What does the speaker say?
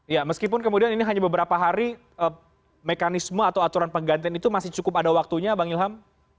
ya meskipun kemudian ini hanya beberapa hari mekanisme atau aturan penggantian itu masih cukup ada waktunya bang ilham